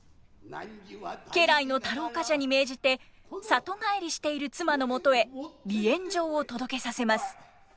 家来の太郎冠者に命じて里帰りしている妻の元へ離縁状を届けさせます。